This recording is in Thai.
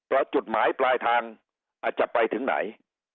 แล้วจุดหมายปลายทางอาจจะไปถึงไหน